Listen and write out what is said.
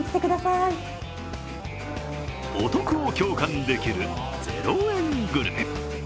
お得を共感できる０円グルメ。